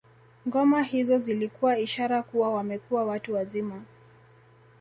Ngoma hizo zilikuwa ishara kuwa wamekuwa watu wazima